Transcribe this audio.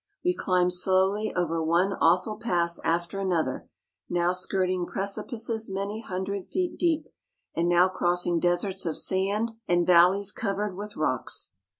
We climb slowly over one awful pass after another, now skirting precipices many hundred feet deep, and now crossing deserts of sand and valleys covered with rocks.